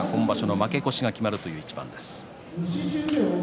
負け越しが決まるという取組です。